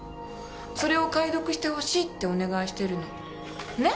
それを解読して欲しいってお願いしてるの。